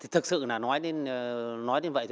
thực sự nói đến vậy